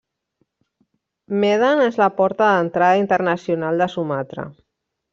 Medan és la porta d'entrada internacional de Sumatra.